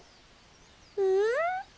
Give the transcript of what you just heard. うん？